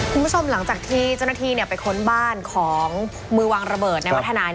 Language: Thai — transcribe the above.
คุณผู้ชมหลังจากที่เจ้าหน้าที่ไปค้นบ้านของมือวางระเบิดในวัฒนา